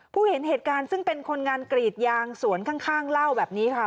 เห็นเหตุการณ์ซึ่งเป็นคนงานกรีดยางสวนข้างเล่าแบบนี้ค่ะ